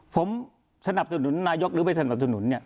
ผมสนับสนุนนายกหรือไม่สนุน